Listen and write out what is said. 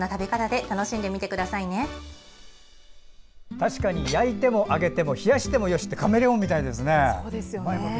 確かに焼いても揚げても冷やしてもよしってカメレオンみたいですね。